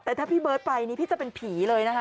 แต่ถ้าพี่เบิร์ตไปนี่พี่จะเป็นผีเลยนะคะ